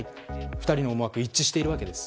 ２人の思惑、一致してるわけです。